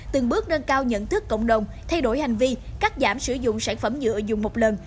từng bước nâng cao nhận thức cộng đồng thay đổi hành vi cắt giảm sử dụng sản phẩm nhựa dùng một lần